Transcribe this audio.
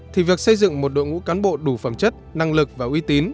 thì việc xây dựng một đội ngũ cán bộ đủ phẩm chất năng lực và uy tín